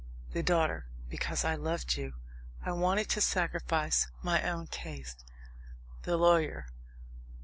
THE DAUGHTER. Because I loved you. I wanted to sacrifice my own taste. THE LAWYER.